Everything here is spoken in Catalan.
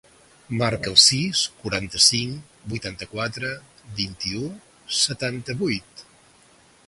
Marca el sis, quaranta-cinc, vuitanta-quatre, vint-i-u, setanta-vuit.